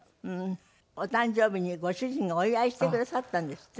お誕生日にご主人がお祝いしてくださったんですって？